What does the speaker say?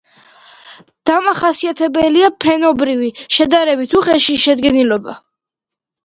დამახასიათებელია ფენობრივი, შედარებით უხეში შედგენილობა.